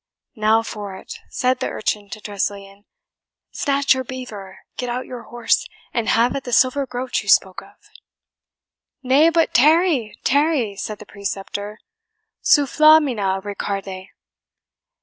"Now for it," said the urchin to Tressilian; "snatch your beaver, get out your horse, and have at the silver groat you spoke of." "Nay, but tarry, tarry," said the preceptor "SUFFLAMINA, RICARDE!"